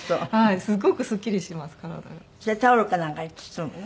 それタオルかなんかに包むの？